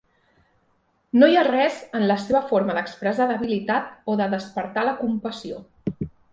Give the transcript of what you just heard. No hi ha res en la seva forma d'expressar debilitat o de despertar la compassió.